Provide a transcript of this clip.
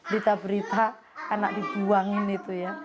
berita berita anak dibuangin itu ya